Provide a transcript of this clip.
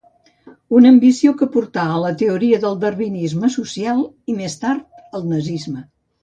Una ambició que portà a la teoria del darwinisme social, i més tard al nazisme.